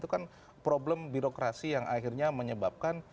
itu kan problem birokrasi yang akhirnya menyebabkan